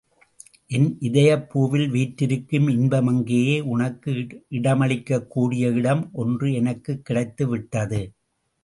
என் இதயப் பூவில் வீற்றிருக்கும் இன்பமங்கையே, உனக்கு இடமளிக்கக் கூடிய இடம் ஒன்று எனக்குக் கிடைத்து விட்டது.